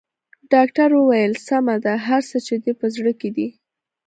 ډاکټر وويل سمه ده هر څه چې دې په زړه کې دي.